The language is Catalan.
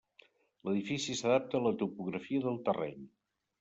L'edifici s'adapta a la topografia del terreny.